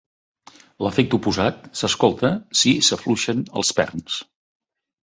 L'efecte oposat s'escolta si s'afluixen els perns.